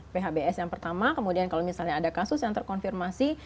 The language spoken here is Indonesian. phbs yang pertama kemudian kalau misalnya ada kasus yang terkonfirmasi